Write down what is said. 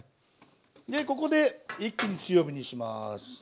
でここで一気に強火にします。